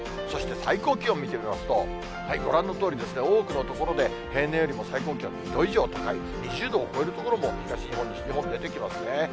そして最高気温を見てみますと、ご覧のとおりですね、多くの所で、平年よりも最高気温２度以上高い、２０度を超える所も東日本、西日本出てきますね。